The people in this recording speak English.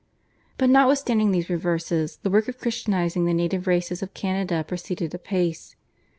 But notwithstanding these reverses the work of Christianising the native races of Canada proceeded apace.